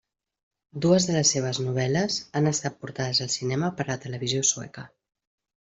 Dues de les seves novel·les han estat portades al cinema per la Televisió Sueca.